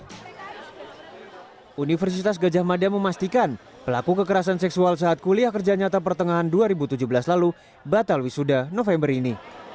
universitas gajah mada memastikan pelaku kekerasan seksual saat kuliah kerja nyata pertengahan dua ribu tujuh belas lalu batal wisuda november ini